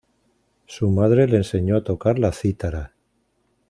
Su madre le enseñó a tocar la cítara.